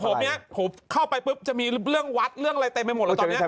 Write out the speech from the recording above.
ผมเนี่ยผมเข้าไปปุ๊บจะมีเรื่องวัดเรื่องอะไรเต็มไปหมดเลยตอนนี้